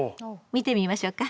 見てみましょうか。